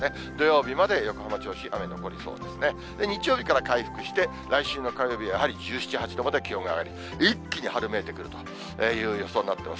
日曜日から回復して、来週の火曜日はやはり、１７、８度まで気温が上がり、一気に春めいてくるという予想になってます。